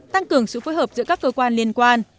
tăng cường sự phối hợp giữa các cơ quan liên quan